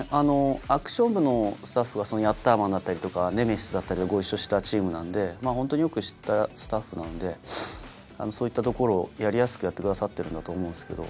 アクション部のスタッフが『ヤッターマン』だったりとか『ネメシス』だったりでご一緒したチームなんでホントによく知ったスタッフなのでそういったところをやりやすくやってくださってるんだと思うんですけど。